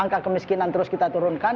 angka kemiskinan terus kita turunkan